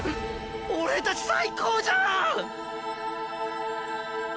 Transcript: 俺達最高じゃん！